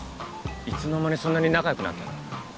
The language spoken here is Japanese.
いつの間にそんなに仲良くなったの？